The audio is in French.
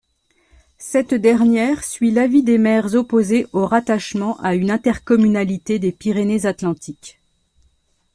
Cette dernière suit l'avis des maires opposés au rattachement à une intercommunalité des Pyrénées-Atlantiques.